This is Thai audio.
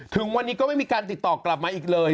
ถึงวันนี้ก็ไม่มีการติดต่อกลับมาอีกเลย